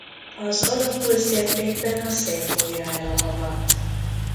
Az Ala-kul sztyeppékben a szél fújja el a havat.